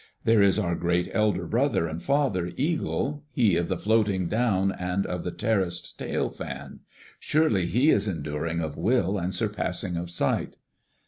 There is our great elder brother and father, Eagle, he of the floating down and of the terraced tail fan. Surely he is enduring of will and surpassing of sight."